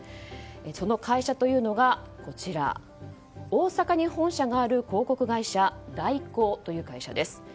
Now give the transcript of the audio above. その会社というのが大阪に本社がある広告会社大広という会社です。